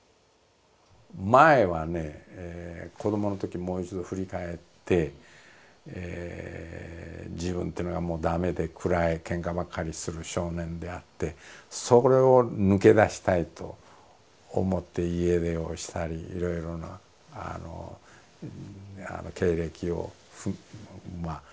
前はね子どものときもう一度振り返って自分というのがもうダメで暗いケンカばっかりする少年であってそれを抜け出したいと思って家出をしたりいろいろな経歴をまあ迷いに迷って歩んでくるわけです。